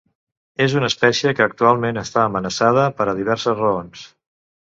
És una espècie que actualment està amenaçada per a diverses raons.